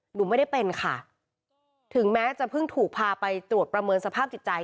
หนูไม่ได้เป็นค่ะถึงแม้จะเพิ่งถูกพาไปตรวจประเมินสภาพจิตใจ